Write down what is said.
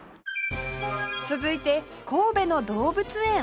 続いて神戸の動物園